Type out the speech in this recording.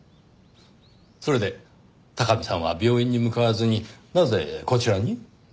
それで貴巳さんは病院に向かわずになぜこちらに？